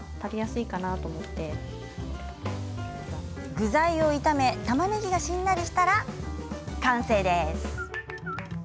具材を炒め、たまねぎがしんなりしたら完成です。